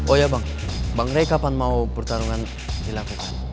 oh iya bang bang ray kapan mau pertarungan dilakukan